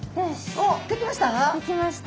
おっ出来ました？